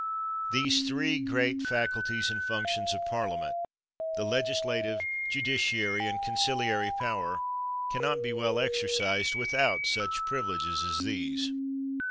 Those three great faculties and func tions of Parliament, the legislative, judiciary, and conciliary power, can not be well exercised without such privileges as these.